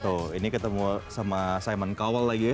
tuh ini ketemu sama simon cowell lagi ya